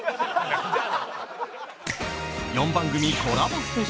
『４番組コラボ ＳＰ』